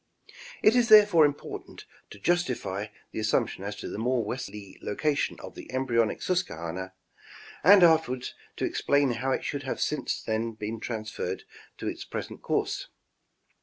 It is therefore important to justify the assumption as to the more westerly location of the embryonic Susquehanna ; and afterwards, to explain how it should have since then been transferred to its present course.